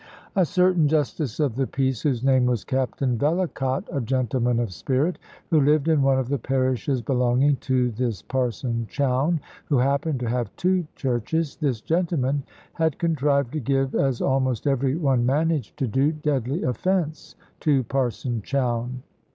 A certain justice of the peace, whose name was Captain Vellacott, a gentleman of spirit, who lived in one of the parishes belonging to this Parson Chowne (who happened to have two churches), this gentleman had contrived to give, as almost every one managed to do, deadly offence to Parson Chowne.